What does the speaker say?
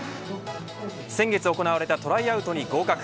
先月行われたトライアウトに合格。